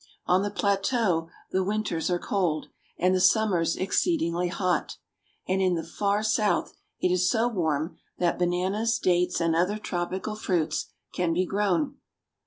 On the plateau the winters are cold, and the summers exceedingly hot, and in the far RURAL SPAIN. 429 south it is so warm that bananas, dates, and other tropical fruits can be grown.